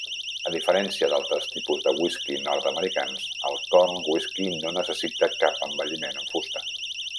A diferència d'altres tipus de whisky nord-americans, el corn whisky no necessita cap envelliment en fusta.